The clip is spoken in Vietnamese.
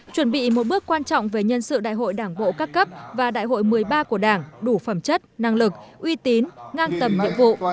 chuẩn bị một bước quan trọng về nhân sự đại hội đảng bộ các cấp và đại hội một mươi ba của đảng đủ phẩm chất năng lực uy tín ngang tầm nhiệm vụ